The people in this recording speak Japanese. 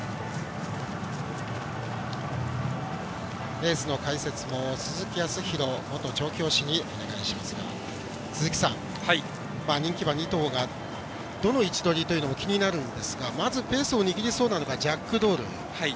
レースの解説も鈴木康弘元調教師にお願いしますが、鈴木さん人気馬２頭がどの位置取りというのも気になるんですがまずペースを握りそうなのがジャックドール。